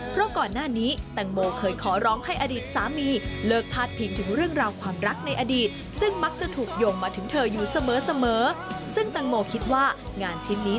เพราะก่อนหน้านี้แตงโมเคยขอร้องให้อดีตสามี